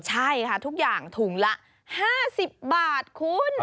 ใช่ค่ะทุกอย่างถุงละ๕๐บาทคุณ